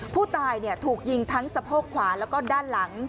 ผู้ตายถูกยิงทั้งสะโพกขวาแล้วก็ด้านหลัง